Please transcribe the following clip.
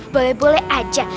boleh boleh aja